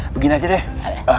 begini aja deh